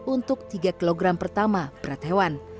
untuk tiga kg pertama berat hewan